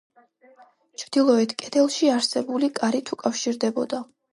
ჩრდილოეთ კედელში არსებული კარით უკავშირდებოდა.